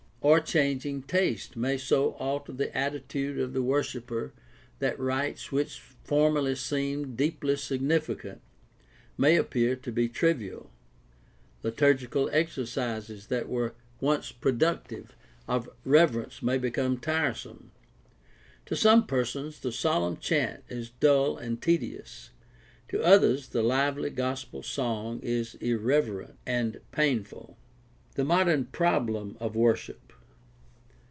Or changing taste may so alter the PRACTICAL THi:OLOGY 617 attitude of the worshiper that rites which formerly seemed deeply significant may appear to be trivial; liturgical exer cises that were once productive of reverence may become tiresome. To some persons the solemn chant is dull and tedious; to others the lively gospel song is irreverent and painful. The modem problem of worship.